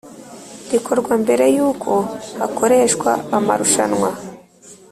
rikorwa mbere y uko hakoreshwa amarushanwa